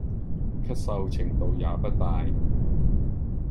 咳嗽程度也不大